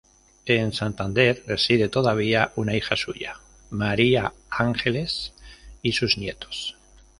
En Santander reside todavía una hija suya, María Ángeles, y sus nietos.